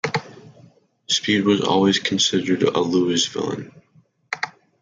Speed was always considered a Louisvillian.